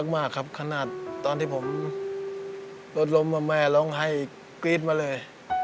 มากครับขนาดตอนที่ผมรถล้มแม่ร้องไห้กรี๊ดมาเลย